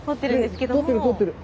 通ってる通ってる。